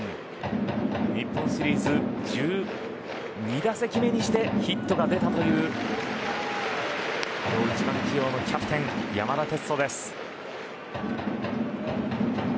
日本シリーズ１２打席目にしてヒットが出たという１番起用のキャプテン山田哲人です。